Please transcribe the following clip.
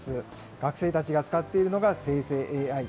学生たちが使っているのが生成ＡＩ。